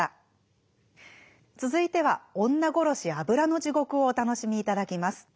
続いては「女殺油地獄」をお楽しみいただきます。